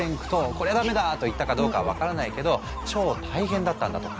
「こりゃダメだ！」と言ったかどうかは分からないけど超大変だったんだとか。